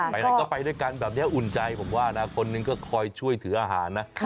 ไหนก็ไปด้วยกันแบบนี้อุ่นใจผมว่านะคนนึงก็คอยช่วยถืออาหารนะ